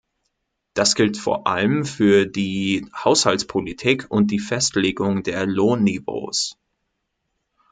Das gilt vor allem für die Haushaltspolitik und die Festlegung der Lohnniveaus.